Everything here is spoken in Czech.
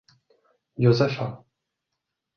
Josefa.